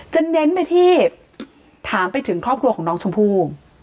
เน้นไปที่ถามไปถึงครอบครัวของน้องชมพู่